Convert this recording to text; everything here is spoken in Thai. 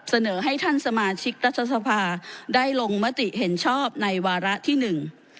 เสนอให้ท่านสมาชิกรัฐสภาได้ลงมติเห็นชอบในวาระที่หนึ่ง